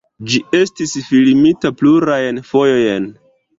Ĝi estis filmita plurajn fojojn.